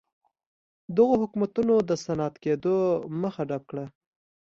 دغو حکومتونو د صنعتي کېدو مخه ډپ کړه.